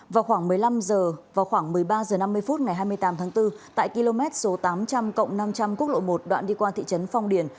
vào khoảng một mươi ba h năm mươi phút ngày hai mươi tám tháng bốn tại km tám trăm linh năm trăm linh quốc lộ một đoạn đi qua thị trấn phong điền